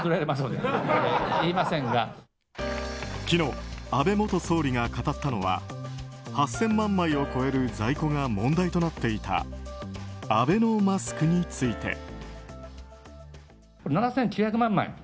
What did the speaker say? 昨日、安倍元総理が語ったのは８０００万枚を超える在庫が問題となっていたアベノマスクについて。